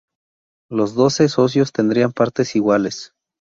Los doce socios tendrían partes iguales.